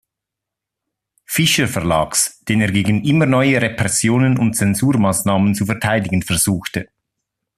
Fischer Verlags“, den er gegen immer neue Repressionen und Zensurmaßnahmen zu verteidigen versuchte.